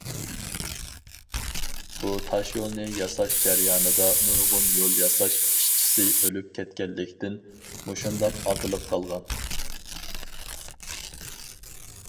بۇ تاشيولنى ياساش جەريانىدا نۇرغۇن يول ياساش ئىشچىسى ئۆلۈپ كەتكەنلىكتىن، مۇشۇنداق ئاتىلىپ قالغان.